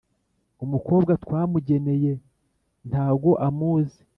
umukobwa twamugeneye ntago amuzi